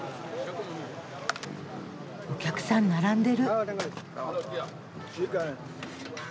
お客さん並んでる。